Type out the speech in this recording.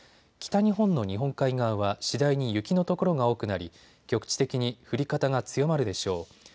北日本の日本海側は次第に雪の所が多くなり、局地的に降り方が強まるでしょう。